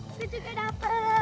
aku juga dapat